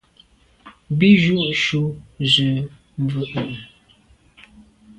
Bí jú’ jú zə̄ mvə̌ cúp gí mbə́ fǎ cwɛ̀d mbásì fàá’ ngômnâ’.